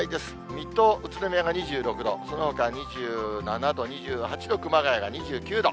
水戸、宇都宮が２６度、そのほか２７度、２８度、熊谷が２９度。